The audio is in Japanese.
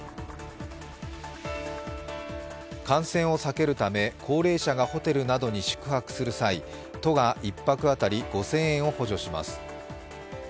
感染を避けるため、高齢者がホテルなどに宿泊する際、都が１泊当たり５０００円を補助します